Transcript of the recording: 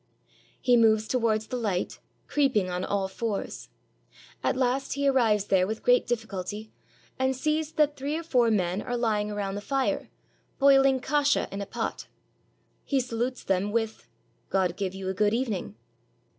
He moves towards the light, creeping on all fours. At last he arrives there with great difficulty, and sees that three or four men are lying around the fire, boiling kasha in a pot. He salutes them with, " God give you a good evening."